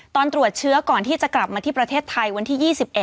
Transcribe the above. ตรวจเชื้อก่อนที่จะกลับมาที่ประเทศไทยวันที่๒๑